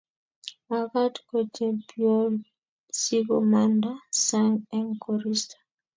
makat ko chepiywonsikomanda sang eng koristo